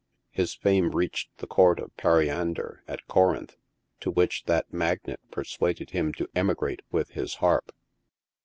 His fame reached the court of Periander, at Corinth, to which that magnate persuaded him to emi grate with his harp.